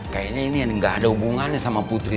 kayaknya ini gak ada hubungannya sama putri